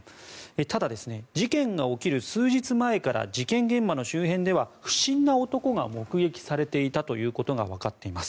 ただ、事件が起きる数日前から事件現場の周辺では不審な男が目撃されていたということがわかっています。